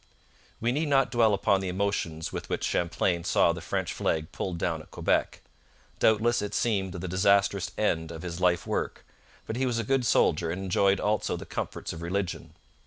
We need not dwell upon the emotions with which Champlain saw the French flag pulled down at Quebec. Doubtless it seemed the disastrous end of his life work, but he was a good soldier and enjoyed also the comforts of religion.